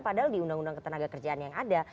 padahal di undang undang ketenaga kerjaan yang ada